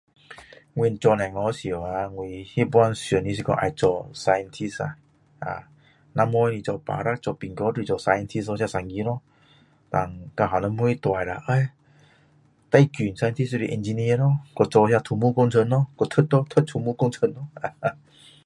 我做孩子时啊我那时想的是要做 scientist 啊啊要不然做警察做士兵还是做 scientist 做这三个咯然后到后面大了欸最近读的是 engineer 咯去做那土木工程咯去读咯读土木工程哈哈哈